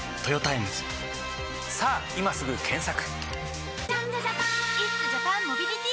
さぁ今すぐ検索！